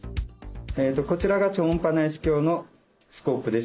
こちらが超音波内視鏡のスコープです。